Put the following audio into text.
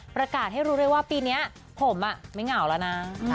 ประกาศให้รู้เลยว่าปีนี้ผมไม่เหงาแล้วนะ